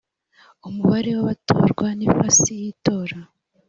umubare w’abatorwa n’ifasi y’itora